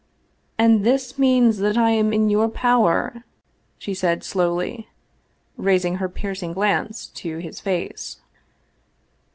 "And this means that I am in your power? she said slowly, raising her piercing glance to his face.